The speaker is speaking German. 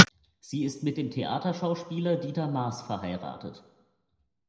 Sie ist mit dem Theaterschauspieler Dieter Maas verheiratet.